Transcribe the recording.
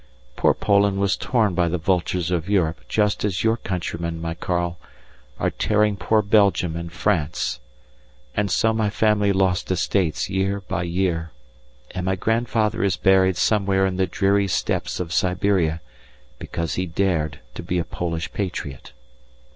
Poor Poland was torn by the vultures of Europe, just as your countrymen, my Karl, are tearing poor Belgium and France, and so my family lost estates year by year, and my grandfather is buried somewhere in the dreary steppes of Siberia because he dared to be a Polish patriot.